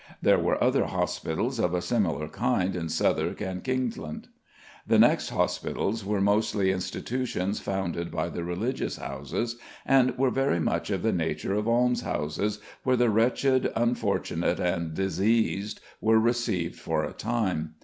There were other hospitals of a similar kind in Southwark and Kingsland. The next hospitals were mostly institutions founded by the religious houses, and were very much of the nature of almshouses, where the wretched, unfortunate, and diseased were received for a time.